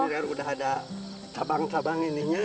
ini udah ada tabang tabang ininya